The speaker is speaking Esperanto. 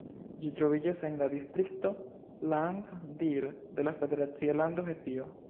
Ĝi troviĝas en la distrikto Lahn-Dill de la federacia lando Hesio.